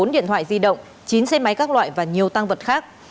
một mươi bốn điện thoại di động chín xe máy các loại và nhiều tăng vật khác